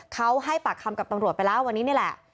เขาให้ปากคำกับตำรวจไปแล้ววันนี้นี่แหละ